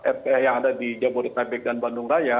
rth yang ada di jabodetabek dan bandung raya